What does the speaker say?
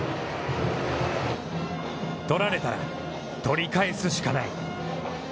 取られたら、取り返すしかない。